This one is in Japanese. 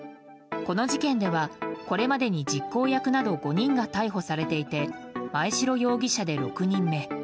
この事件ではこれまでに実行役など５人が逮捕されていて真栄城容疑者で６人目。